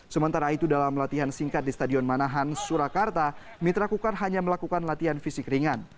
sementara itu dalam latihan singkat di stadion manahan surakarta mitra kukar hanya melakukan latihan fisik ringan